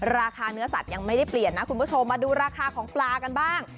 ราคาเนื้อสัตว์ยังไม่ได้เปลี่ยนนะคุณผู้ชมมาดูราคาของปลากันบ้าง